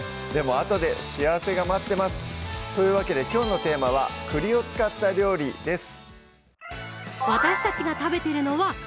あとで幸せが待ってますというわけできょうのテーマは「栗を使った料理」です